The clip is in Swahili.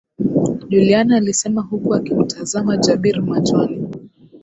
Juliana alisema huku akimtazama Jabir machoni